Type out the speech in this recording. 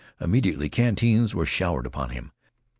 Immediately canteens were showered upon him.